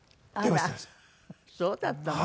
あらそうだったの。